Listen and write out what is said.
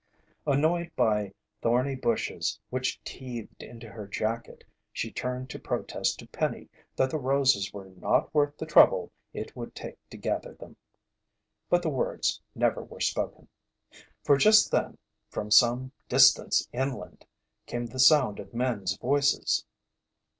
Annoyed by thorny bushes which teethed into her jacket, she turned to protest to Penny that the roses were not worth the trouble it would take to gather them. But the words never were spoken. For just then, from some distance inland, came the sound of men's voices.